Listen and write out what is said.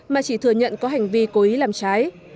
mà chỉ thừa nhận có hành vi cố ý làm trái